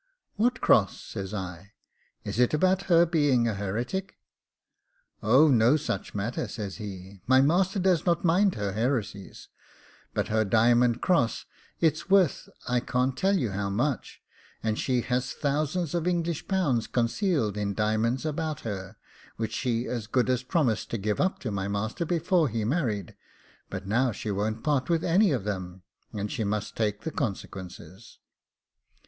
'What cross?' says I; 'is it about her being a heretic?' 'Oh, no such matter,' says he; 'my master does not mind her heresies, but her diamond cross it's worth I can't tell you how much, and she has thousands of English pounds concealed in diamonds about her, which she as good as promised to give up to my master before he married; but now she won't part with any of them, and she must take the consequences.